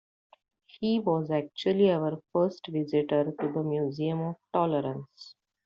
He was actually our first visitor to the Museum of Tolerance.